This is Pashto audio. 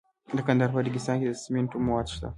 د کندهار په ریګستان کې د سمنټو مواد شته.